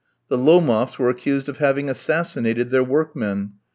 The Lomofs were accused of having assassinated their workmen.